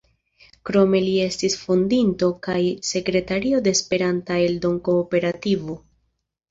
Krome li estis fondinto kaj sekretario de Esperanta Eldon-Kooperativo.